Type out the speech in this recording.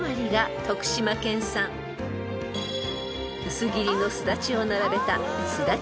［薄切りのすだちを並べた］